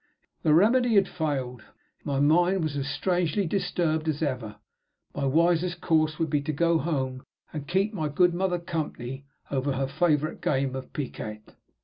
The remedy had failed; my mind was as strangely disturbed as ever. My wisest course would be to go home, and keep my good mother company over her favorite game of piquet.